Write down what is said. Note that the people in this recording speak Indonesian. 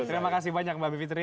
terima kasih banyak mbak bivitri